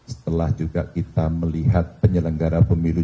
setelah juga kita melihat penyelenggara pemilu